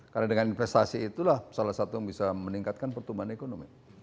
karena dengan investasi itulah salah satu yang bisa meningkatkan pertumbuhan ekonomi